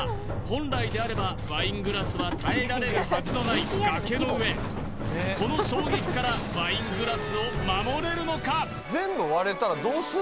本来であればワイングラスは耐えられるはずのない崖の上この衝撃からワイングラスを守れるのか？